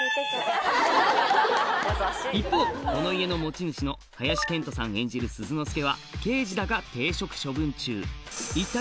一方この家の持ち主の林遣都さん演じる鈴之介は刑事だが停職処分中やった！